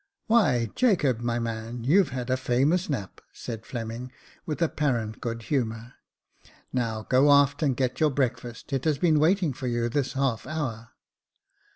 " Why, Jacob, my man, you've had a famous nap," said Fleming, with apparent good humour ;" now go aft, and get your breakfast, it has been waiting for you this half hour."